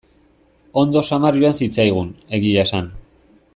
Ondo samar joan zitzaigun, egia esan.